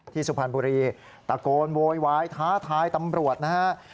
สุพรรณบุรีตะโกนโวยวายท้าทายตำรวจนะฮะ